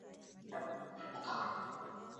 Uchafu kutokea machoni na puani